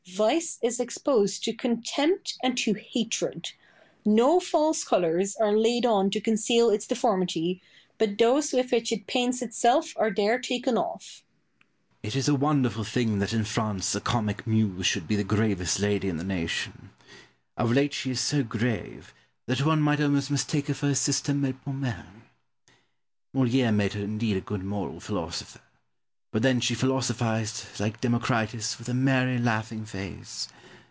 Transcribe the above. Vice is exposed to contempt and to hatred. No false colours are laid on to conceal its deformity, but those with which it paints itself are there taken off. Pope. It is a wonderful thing that in France the comic Muse should be the gravest lady in the nation. Of late she is so grave, that one might almost mistake her for her sister Melpomene. Moliere made her indeed a good moral philosopher; but then she philosophised, like Democritus, with a merry, laughing face.